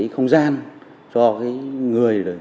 không gian cho người